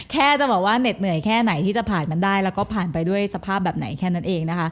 แค่จะบอกว่าเหน็ดเหนื่อยแค่ไหนที่จะผ่านมันได้แล้วก็ผ่านไปด้วยสภาพแบบไหนแค่นั้นเองนะคะ